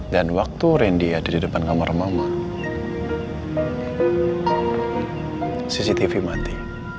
dan waktu randy ada di depan kamar mama cctv mati